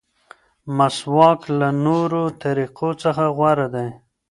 مسواک له نورو طریقو څخه غوره دی.